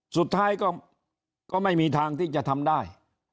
สุดท้ายก็ไม่มีทางที่จะทำได้